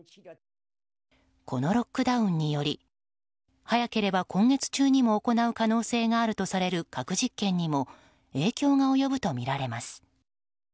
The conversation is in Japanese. このロックダウンにより早ければ今月中にも行う可能性があるとされる核実験にも影響が及ぶとみられます。